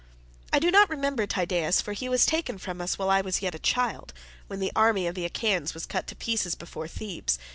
I do not remember Tydeus, for he was taken from us while I was yet a child, when the army of the Achaeans was cut to pieces before Thebes.